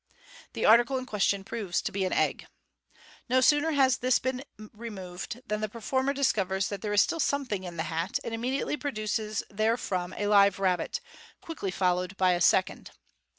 The article in question proves to be an egg. No sooner has this been emoved, than the performer discovers that there is still somethi.g in the hat, and immediately produces therefrom a live rabbit, quickly followed by a second.